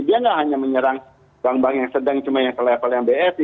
dia tidak hanya menyerang bank bank yang sedang cuma yang selevel yang bsi